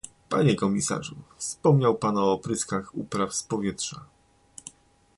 Panie komisarzu, wspomniał pan o opryskach upraw z powietrza